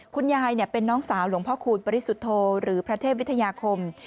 คุณยายเป็นน้องสาวหลวงพ่อคูณปริสุทธโธหรือพระเทพวิทยาคม